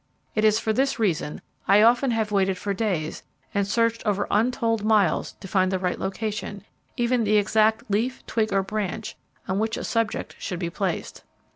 It is for this reason I often have waited for days and searched over untold miles to find the right location, even the exact leaf, twig or branch on which a subject should be placed.